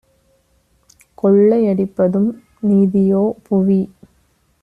கொள்ளை யடிப்பதும் நீதியோ - புவி